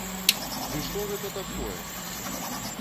Ды што гэта такое?!